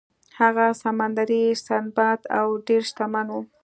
هغه سمندري سنباد و او ډیر شتمن و.